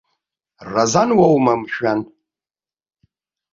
Разан уоума, мшәан?!